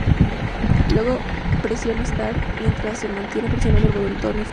Luego, presionar "Start" mientras se mantiene presionado el botón "Effect".